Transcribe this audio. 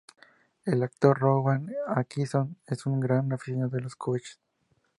El actor Rowan Atkinson es un gran aficionado a los coches.